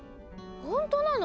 ほんとなの？